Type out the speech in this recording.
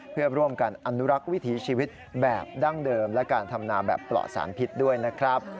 เพื่อร่วมกันอนุรักษ์วิถีชีวิตแบบดั้งเดิมและการทำนาแบบปลอดสารพิษด้วยนะครับ